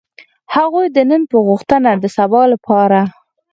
هغوی د نن په غوښتنه د سبا لپاره.